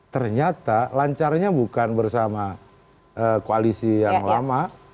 ternyata lancarnya bukan bersama koalisi yang lama